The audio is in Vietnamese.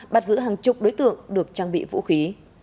bắt giữ hàng chục đối tượng được trang bị vũ khí